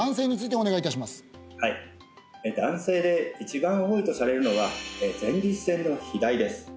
はい男性で一番多いとされるのは前立腺の肥大です